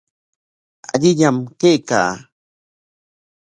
Allillam kaykaa.